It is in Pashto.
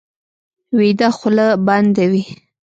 ویده خوله بنده وي